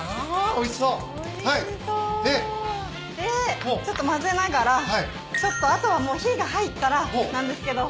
でちょっと混ぜながらちょっとあとはもう火が入ったらなんですけど。